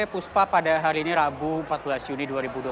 puspa pada hari ini rabu empat belas juni dua ribu dua puluh